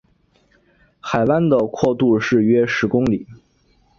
海湾的阔度是约十公里。